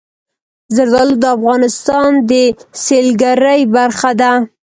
زردالو د افغانستان د سیلګرۍ برخه ده.